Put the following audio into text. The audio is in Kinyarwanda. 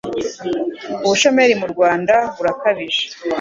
Ubushomeri mu Rwanda burakabije